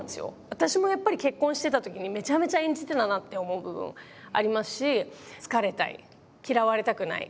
私もやっぱり結婚してた時にめちゃめちゃ演じてたなって思う部分ありますし好かれたい嫌われたくない。